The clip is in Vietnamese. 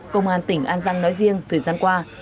công an tỉnh an giang nói riêng thời gian qua